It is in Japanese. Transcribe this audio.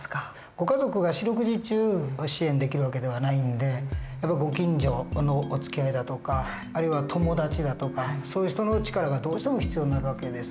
ご家族が四六時中支援できる訳ではないんでご近所のおつきあいだとかあるいは友達だとかそういう人の力がどうしても必要になる訳です。